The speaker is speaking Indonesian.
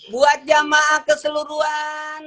buat jamaah keseluruhan